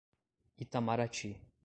Itamarati